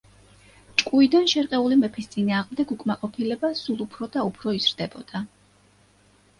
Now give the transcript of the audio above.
ჭკუიდან შერყეული მეფის წინააღმდეგ უკმაყოფილება სულ უფრო და უფრო იზრდებოდა.